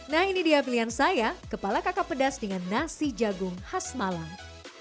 nah ini dia pilihan saya kepala kakak pedas dengan nasi jagung khas malang